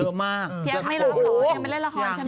พี่แอฟไม่รับเหรอยังไม่เล่นละครใช่ไหม